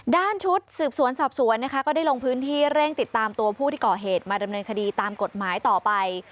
ด้านชุดสืบสวนสอบสวนนะคะก็ได้ลงพื้นที่เร่งติดตามตัวผู้ที่ก่อเหตุมาดำเนินคดีตามกฎหมายต่อไป